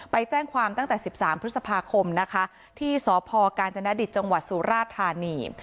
ไปแจ้งความตั้งแต่๑๓พฤษภาคมนะคะที่สพกาญจนดิตจังหวัดสุราธานี